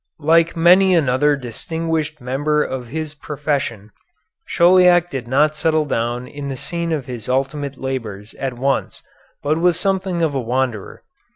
Like many another distinguished member of his profession, Chauliac did not settle down in the scene of his ultimate labors at once, but was something of a wanderer.